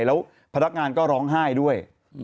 แล้วพนักงานก็ร้องไห้ด้วย